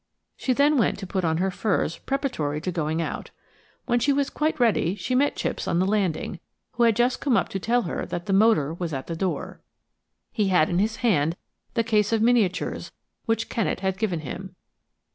She then went to put on her furs preparatory to going out. When she was quite ready she met Chipps on the landing, who had just come up to tell her that the motor was at the door. He had in his hand the case of miniatures which Kennet had given him.